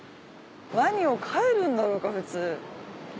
ワニを飼えるんだろうか普通。